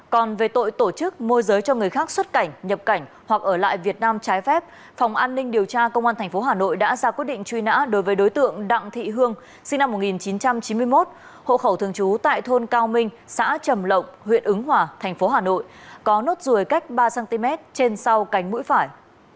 còn về tội tổ chức môi giới cho người khác xuất cảnh nhập cảnh hoặc ở lại việt nam trái phép phòng an ninh điều tra công an tp hà nội đã ra quyết định truy nã đối với đối tượng đặng thị hương sinh năm một nghìn chín trăm chín mươi một hộ khẩu thường trú tại thôn cao minh xã trầm lộng huyện ứng hòa thành phố hà nội có nốt ruồi cách ba cm trên sau cánh mũi phải